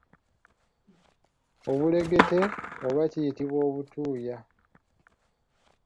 Obulegete oba buyitibwa obutuuya.